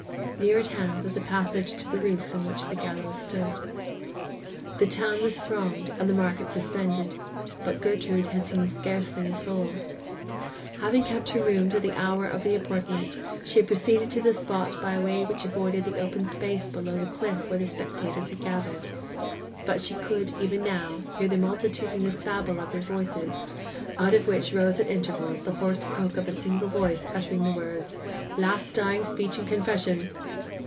Near at hand was a passage to the roof on which the gallows stood. The town was thronged, and the market suspended; but Gertrude had seen scarcely a soul. Having kept her room till the hour of the appointment, she had proceeded to the spot by a way which avoided the open space below the cliff where the spectators had gathered; but she could, even now, hear the multitudinous babble of their voices, out of which rose at intervals the hoarse croak of a single voice uttering the words, 'Last dying speech and confession!